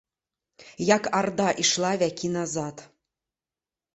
Як арда ішла вякі назад.